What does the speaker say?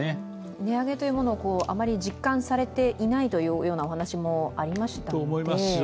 値上げというものをあまり実感されていないというお話もありました。